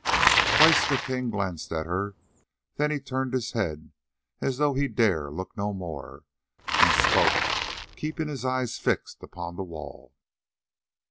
Twice the King glanced at her, then he turned his head as though he dare look no more, and spoke keeping his eyes fixed upon the wall.